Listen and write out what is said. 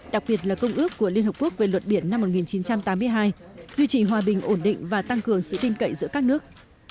đặc biệt là công ước của liên hợp quốc về luật biển năm một nghìn chín trăm tám mươi hai duy trì hòa bình ổn định và tăng cường sự tin cậy giữa các nước